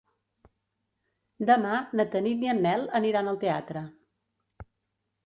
Demà na Tanit i en Nel aniran al teatre.